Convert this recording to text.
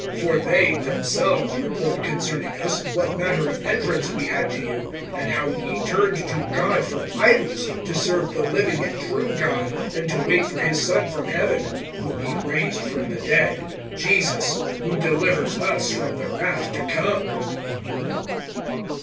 (9)For they themselves report concerning us, what manner of entrance we had to you, and how ye turned to God from idols, to serve the living and true God, (10)and to wait for his Son from heaven, whom he raised from the dead, Jesus, who delivers us from the wrath to come.